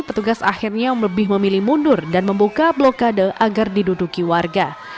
petugas akhirnya lebih memilih mundur dan membuka blokade agar diduduki warga